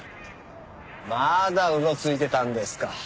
まだうろついてたんですか？